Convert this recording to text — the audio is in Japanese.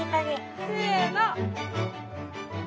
せの！